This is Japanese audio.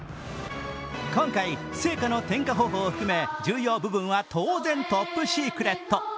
今回、聖火の点火方法を含め重要部分は当然トップシークレット。